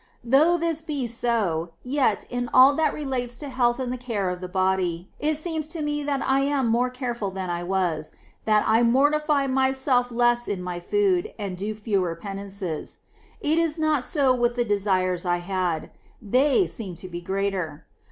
2. Though this be so, yet, in all that relates to health and the care of the body, it seems to me that I am more careful than I was, that I mortify myself less in my food, and do fewer penances : it is not so with the desires I had ; they seem to be greater.